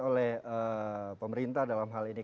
oleh pemerintah dalam hal ini